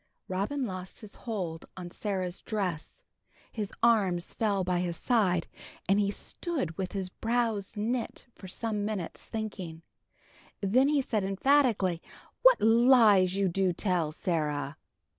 Robin lost his hold on Sarah's dress; his arms fell by his side, and he stood with his brows knit for some minutes, thinking. Then he said, emphatically, "What lies you do tell, Sarah!"